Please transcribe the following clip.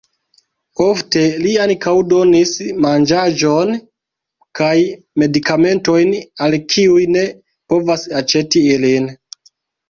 Ofte li ankaŭ donis manĝaĵon kaj medikamentojn al kiuj ne povas aĉeti ilin.